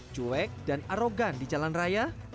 cuek dan arogan di jalan raya